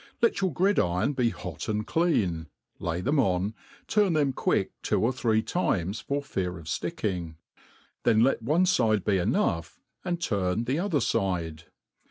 Let your gridiron be hot and clean, lay them on, turn them quick two or three times for fear of fticking; then let one fide be enough, and turn the other fide.